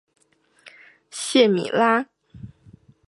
谢米拉。